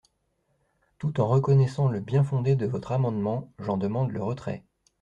Tout en reconnaissant le bien-fondé de votre amendement, j’en demande le retrait.